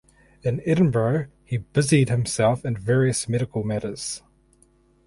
In Edinburgh he busied himself in various medical matters.